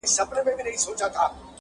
چي په تیاره کي د سهار د راتلو زېری کوي,